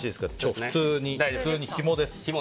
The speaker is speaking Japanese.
普通にひもです。